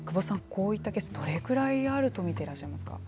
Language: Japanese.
こういったケースどれくらいあると見ていらっしゃいますか。